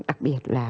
đặc biệt là